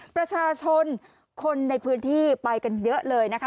ประชาชนคนในพื้นที่ไปกันเยอะเลยนะคะ